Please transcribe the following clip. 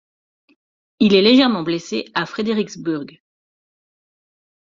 Il est légèrement blessé à Fredericksburg.